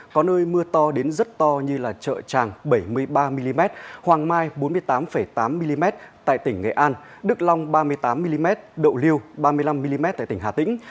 có nơi mưa to đến rất to như chợ tràng bảy mươi ba mm hoàng mai bốn mươi tám tám mm tại tỉnh nghệ an đức long ba mươi tám mm đậu lưu ba mươi năm mm tại tỉnh hà tĩnh